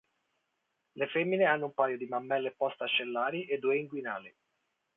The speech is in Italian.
Le femmine hanno un paio di mammelle post-ascellari e due inguinali.